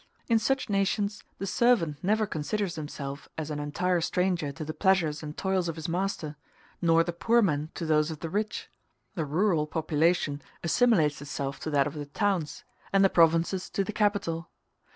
In such nations the servant never considers himself as an entire stranger to the pleasures and toils of his master, nor the poor man to those of the rich; the rural population assimilates itself to that of the towns, and the provinces to the capital.